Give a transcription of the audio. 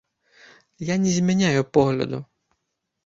Я не змяняю погляду.